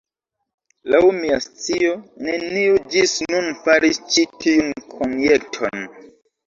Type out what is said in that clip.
Laŭ mia scio, neniu ĝis nun faris ĉi tiun konjekton.